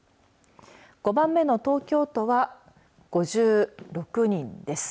５番目の東京都は５６人です。